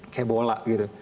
kayak bola gitu